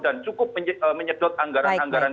dan cukup menyedot anggaran anggaran